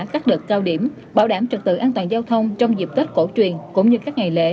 các đợt cao điểm bảo đảm trật tự an toàn giao thông trong dịp tết cổ truyền cũng như các ngày lễ